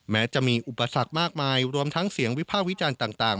แม้จะมีอุปสรรคมากมายรวมทั้งเสียงวิพากษ์วิจารณ์ต่าง